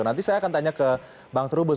nanti saya akan tanya ke bang terubus